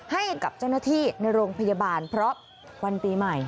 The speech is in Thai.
ให้กับเจ้าหน้าที่ในโรงพยาบาลเพราะวันปีใหม่